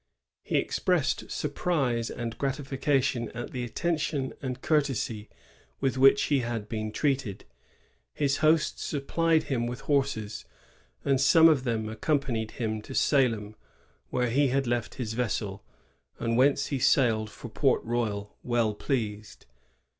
'* He expressed surprise and gratification at the atten tion and courtesy with which he had been treated. His hosts supplied him with hoises, and some of them accompanied him to Salem, where he had left 86 LA TOUB AND THE PURITANS. [1644. his yessel, and whence he sailed for Port Royal, well pleased.